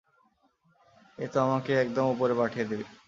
এ তো আমাকে একদম উপরে পাঠিয়ে দিবে।